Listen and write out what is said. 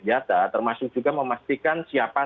data termasuk juga memastikan siapa